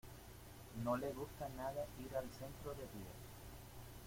No le gusta nada ir al centro de día.